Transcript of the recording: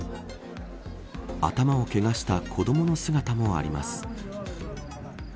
頭をけがした子どもの姿もあります。